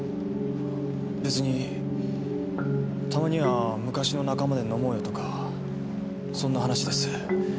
別にたまには昔の仲間で飲もうよとかそんな話です。